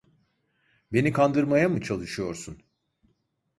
Beni kandırmaya mı çalışıyorsun?